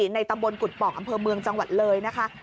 ในตำบลกุฎป่องอำเภอเมืองจังหวัดเลยนะคะ